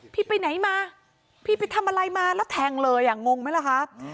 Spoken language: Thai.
พี่ไปไหนมาพี่ไปทำอะไรมาแล้วแทงเลยอ่ะงงไหมล่ะคะ